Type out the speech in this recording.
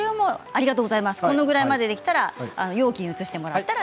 このぐらいまでできたら容器に移してもらって。